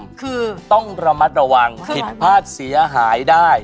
คือต้องระมัดระวังผิดพลาดเสียหายได้